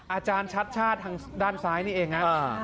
อาจารย์ชัดชาติทางด้านซ้ายนี่เองครับ